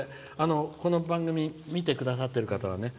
この番組見てくださってる方はね。